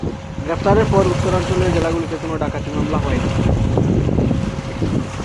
গ্রেফতারের পর উত্তরাঞ্চলের জেলাগুলিতে কোন ডাকাতি মামলা হয়নি।